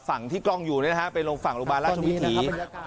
ฝั่งที่กล้องอยู่ไปลงฝั่งโรงพยาบาลราชวิถี